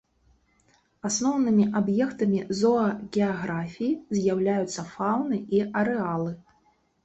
Асноўнымі аб'ектамі зоагеаграфіі з'яўляюцца фаўны і арэалы.